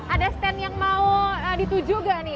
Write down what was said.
ada stand yang mau dituju gak nih